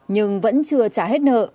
nhưng vẫn chưa trả hết nợ